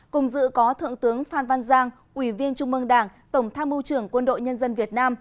cùng dự có thượng tướng phan văn giang ủy viên trung mương đảng tổng tham mưu trưởng quân đội nhân dân việt nam